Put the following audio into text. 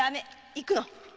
行くの。